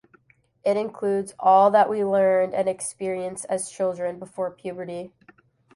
It includes all that we learned and experienced as children, before puberty.